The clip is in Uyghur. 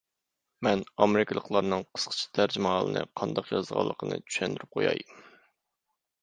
مەن ئامېرىكىلىقلارنىڭ قىسقىچە تەرجىمىھالىنى قانداق يازىدىغانلىقىنى چۈشەندۈرۈپ قوياي.